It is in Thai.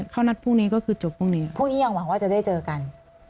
เขานัดพรุ่งนี้ก็คือจบพรุ่งนี้พรุ่งนี้ยังหวังว่าจะได้เจอกัน